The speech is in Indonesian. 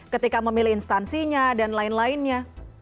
ketika memilih instansinya dan lain lainnya